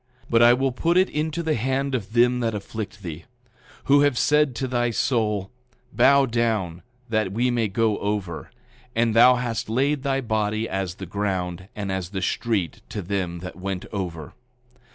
8:23 But I will put it into the hand of them that afflict thee; who have said to thy soul: Bow down, that we may go over—and thou hast laid thy body as the ground and as the street to them that went over.